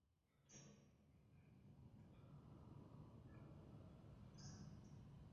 All singles were released alongside official music videos.